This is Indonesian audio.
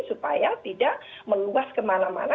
supaya tidak meluas kemana mana